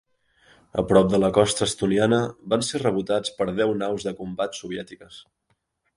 A prop de la costa estoniana, van ser rebotats per deu naus de combat soviètiques.